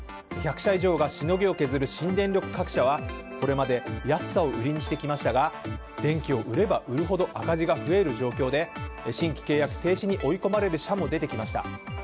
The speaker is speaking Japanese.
１００社以上がしのぎを削る新電力各社はこれまで安さを売りにしてきましたが電気を売れば売るほど赤字が増える状況で新規契約停止に追い込まれる社も出てきました。